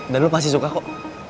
dan lo pasti suka kok